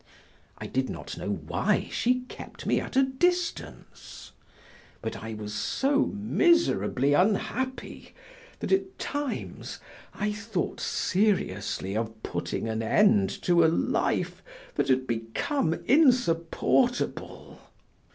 I did not know why she kept me at a distance; but I was so miserably unhappy that, at times, I thought seriously of putting an end to a life that had become insupportable.